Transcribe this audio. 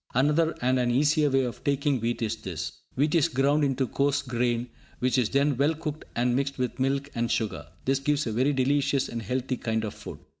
Another and an easier way of taking wheat is this. Wheat is ground into coarse grain, which is then well cooked and mixed with milk and sugar. This gives a very delicious and healthy kind of food.